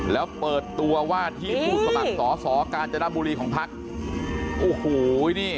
แล้วเปิดตัวว่าที่ผูดสมัครสอกาญจนบุรีของพลังประชารัฐเนี่ย